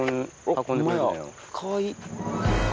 かわいい。